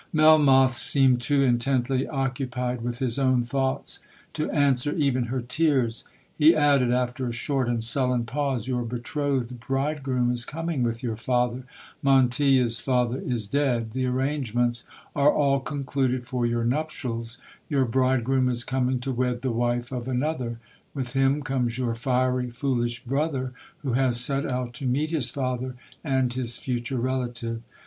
'Melmoth seemed too intently occupied with his own thoughts to answer even her tears. He added, after a short and sullen pause, 'Your betrothed bridegroom is coming with your father—Montilla's father is dead—the arrangements are all concluded for your nuptials—your bridegroom is coming to wed the wife of another—with him comes your fiery, foolish brother, who has set out to meet his father and his future relative.